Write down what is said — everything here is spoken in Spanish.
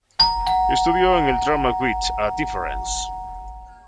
Estudió en el Drama With A Difference.